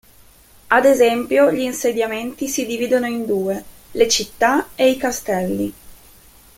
Ad esempio, gli insediamenti si dividono in due: le città e i castelli.